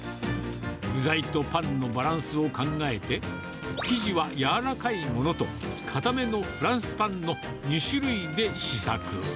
具材とパンのバランスを考えて、生地は柔らかいものと硬めのフランスパンの２種類で試作。